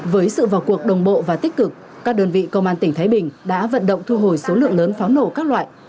với sự vào cuộc đồng bộ và tích cực các đơn vị công an tỉnh thái bình đã vận động thu hồi số lượng lớn pháo nổ các loại